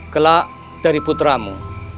kelak dari putramu